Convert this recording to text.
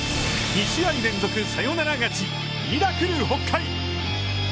２試合連続サヨナラ勝ち、ミラクル北海。